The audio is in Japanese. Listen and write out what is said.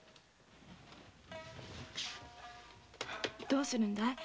どうするんだい？